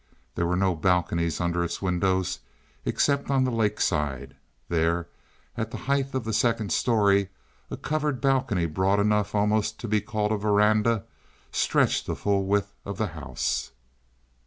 There were no balconies under its windows, except on the lake side. There, at the height of the second story, a covered balcony broad enough almost to be called a veranda, stretched the full width of the house.